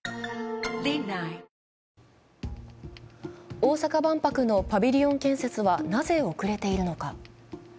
大阪万博のパビリオン建設は、なぜ遅れているのか。